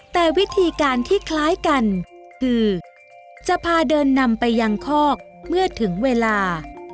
แต่วิธีการที่คล้ายกันคือจะพาเดินนำไปยังคอกเมื่อถึงเวลา